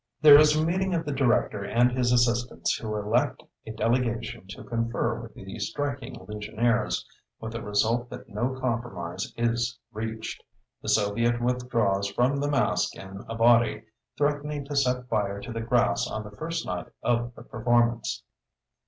There is a meeting of the Director and his assistants who elect a delegation to confer with the striking legionaries, with the result that no compromise is reached, the soviet withdraws from the masque in a body, threatening to set fire to the grass on the first night of the performance.